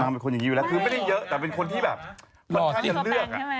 คือไม่ได้เยอะแต่เป็นคนที่แบบจะเลือก